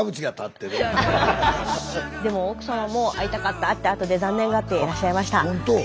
でも奥様も会いたかったって後で残念がっていらっしゃいました。